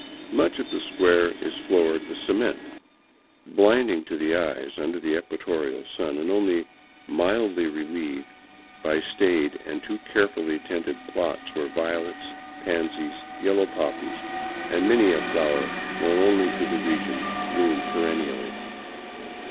Much of the square is floored with cement, blinding to the eyes under the equatorial sun and only mildly relieved by staid and too carefully tended plots where violets, pansies, yellow poppies, and many a flower known only to the region bloom perennially.